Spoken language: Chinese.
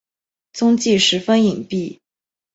踪迹十分隐蔽。